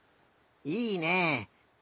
いいね！